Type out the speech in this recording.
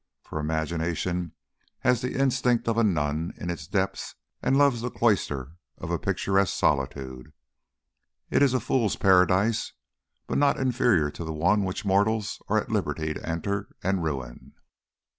For Imagination has the instinct of a nun in its depths and loves the cloister of a picturesque solitude. It is a Fool's Paradise, but not inferior to the one which mortals are at liberty to enter and ruin.